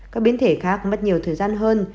các biến thể khác mất nhiều thời gian hơn